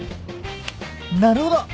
なるほど！